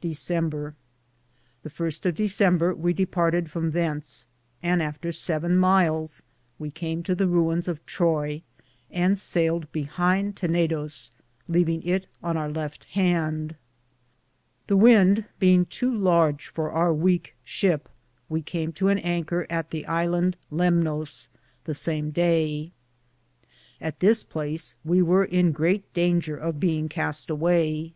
December. The firste of December we departed from thence, and after 7 myles we came to the ruins of Troy, and sailed behinde Tennidose, leavinge it on our Lefte hande. The wynde beinge tow Large for our waike (weak) shipp, we came to an anker at the iland Lemnos the same daye. At this place we weare in greate dainger of beinge caste awaye.